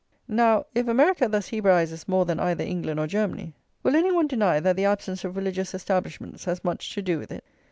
Now, if America thus [xxxii] Hebraises more than either England or Germany, will any one deny that the absence of religious establishments has much to do with it?